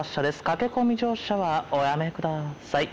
駆け込み乗車はおやめください。